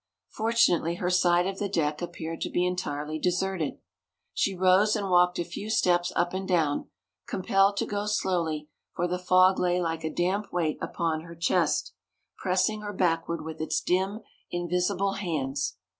Fortunately her side of the deck appeared to be entirely deserted. She rose and walked a few steps up and down, compelled to go slowly, for the fog lay like a damp weight upon her chest, pressing her backward with its dim, invisible hands.